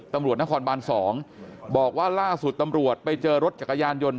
ตำรวจนครบาน๒บอกว่าล่าสุดตำรวจไปเจอรถจักรยานยนต์